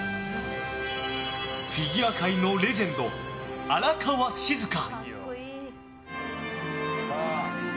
フィギュア界のレジェンド荒川静香。